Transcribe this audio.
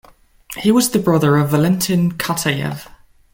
He was the brother of Valentin Katayev.